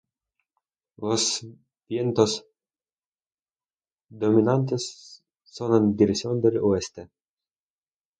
Los vientos dominantes son en dirección del oeste.